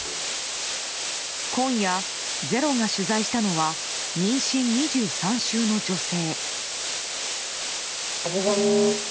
今夜「ｚｅｒｏ」が取材したのは妊娠２３週の女性。